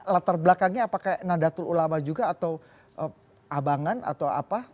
latar belakangnya apakah nadatul ulama juga atau abangan atau apa